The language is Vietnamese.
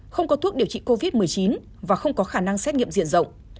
không có thuốc điều trị covid một mươi chín và không có khả năng xét nghiệm diện rộng